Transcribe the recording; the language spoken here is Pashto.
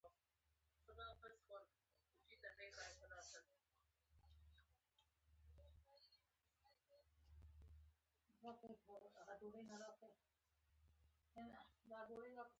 د خوړو څخه وروسته پاکوالی مهم دی.